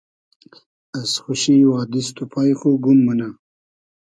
از خوشی وا دیست و پای خو گوم مونۂ